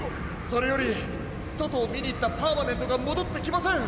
それよりそとをみにいったパーマネントがもどってきません。